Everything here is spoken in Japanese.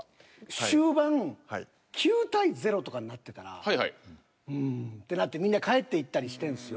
終盤９対０とかになってたらうんってなってみんな帰っていったりしてんすよ。